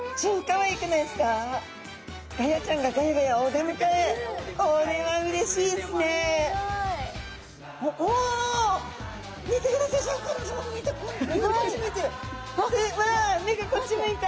わ目がこっち向いた。